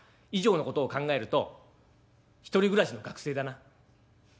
以上のことを考えると１人暮らしの学生だな」。